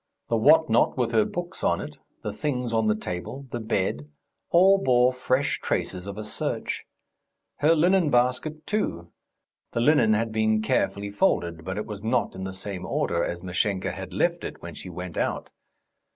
The whatnot with her books on it, the things on the table, the bed all bore fresh traces of a search. Her linen basket, too. The linen had been carefully folded, but it was not in the same order as Mashenka had left it when she went out.